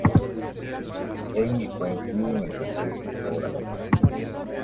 En y fue incluido en el tercer equipo All-American.